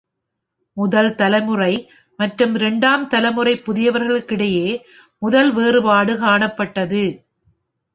முதல் தலைமுறை மற்றும் இரண்டாம் தலைமுறை புதியவர்களுக்கு இடையே முதல் வேறுபாடு காணப்பட்டது.